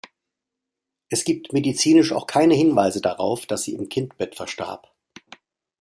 Es gibt medizinisch auch keine Hinweise darauf, dass sie im Kindbett verstarb.